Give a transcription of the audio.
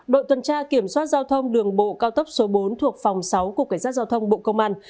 đội tuần tra kiểm soát giao thông đường bộ cao tốc số bốn thuộc phòng sáu của cảnh sát giao thông bộ công an